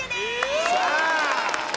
よっしゃ！